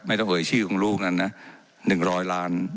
เจ้าหน้าที่ของรัฐมันก็เป็นผู้ใต้มิชชาท่านนมตรี